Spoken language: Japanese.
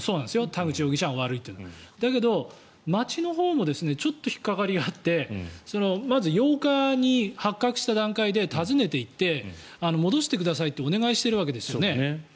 田口容疑者が悪いというのはだけど町のほうもちょっと引っ掛かりがあってまず８日に発覚した段階で訪ねていって戻してくださいとお願いをしているわけですよね。